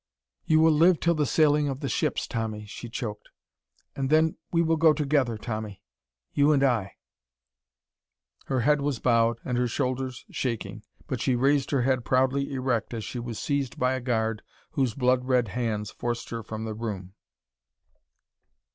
"You will live till the sailing of the ships, Tommy," she choked, "and then we will go together, Tommy you and I." Her head was bowed and her shoulders shaking, but she raised her head proudly erect as she was seized by a guard whose blood red hands forced her from the room.